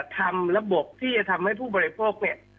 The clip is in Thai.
ทำระบบที่จะทำให้ผู้บริโภคเนี่ย